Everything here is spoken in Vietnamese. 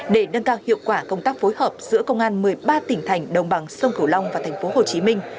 để nâng cao hiệu quả công tác phối hợp giữa công an một mươi ba tỉnh thành đồng bằng sông cửu long và thành phố hồ chí minh